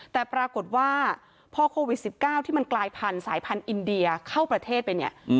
แต่ปรากฏว่าพอโควิด๑๙ที่มันกลายพันธุ์สายพันธุ์อินเดียเข้าประเทศไปเนี่ย